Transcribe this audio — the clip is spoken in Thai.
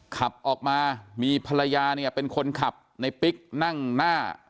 ขับออกมามีภรรยาเนี่ยเป็นคนขับในปิ๊กนั่งหน้า